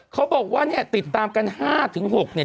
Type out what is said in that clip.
เขาบอกว่าติดตามกัน๕บาทถึง๖บาท